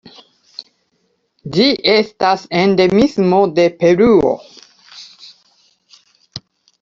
Ĝi estas endemismo de Peruo.